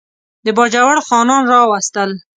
د باجوړ خانان راوستل.